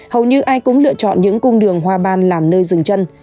hầu như ai cũng lựa chọn những cung đường hoa ban làm nơi dừng chân